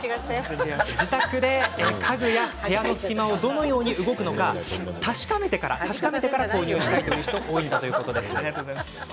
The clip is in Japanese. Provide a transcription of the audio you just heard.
自宅で家具や部屋の隙間をどのように動くのか確かめてから購入したいという人が多いのだそうです。